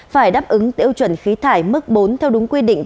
phải đáp ứng tiêu chuẩn khí thải mức bốn theo đúng quy định